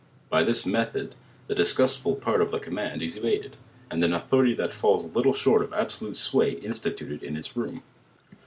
By this rne;,hod the disgustful part of the command is evaded, and an authority that tails little short of absolute sway instituted in its room.